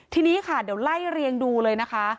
ทีนี้ค่ะเดี๋ยวไล่เรียงดูเลยนะคะ